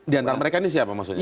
di antara mereka ini siapa maksudnya